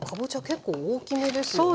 結構大きめですよね。